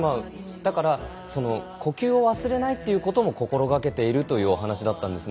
だから呼吸を忘れないことも心がけているというお話だったんです。